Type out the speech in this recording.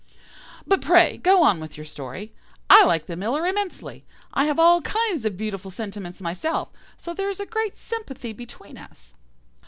But pray go on with your story. I like the Miller immensely. I have all kinds of beautiful sentiments myself, so there is a great sympathy between us."